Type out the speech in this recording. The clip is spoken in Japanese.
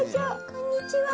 こんにちは。